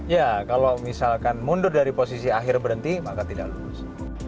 ya kalau misalkan mundur dari posisi akhir berhenti maka tidak lulus